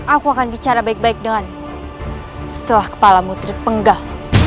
aku akan bicara baik baik denganmu setelah kepalamu terpenggal